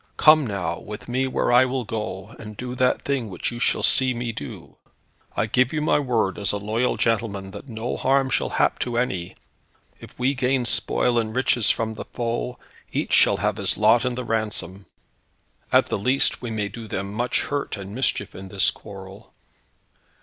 Come, now, with me where I will go, and do that thing which you shall see me do. I give you my word as a loyal gentleman, that no harm shall hap to any. If we gain spoil and riches from the foe, each shall have his lot in the ransom. At the least we may do them much hurt and mischief in this quarrel."